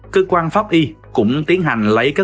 cơ quan pháp y cũng tiến hành lấy các